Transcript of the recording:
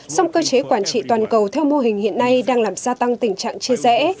song cơ chế quản trị toàn cầu theo mô hình hiện nay đang làm gia tăng tình trạng chia rẽ